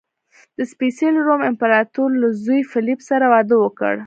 د سپېڅلي روم امپراتور له زوی فلیپ سره واده وکړ.